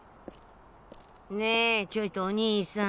ねえちょいとおにいさん。